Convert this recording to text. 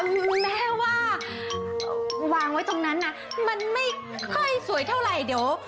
คุณแม่ว่าวางไว้ตรงนั้นนะมันไม่ค่อยสวยเท่าไหร่เดี๋ยว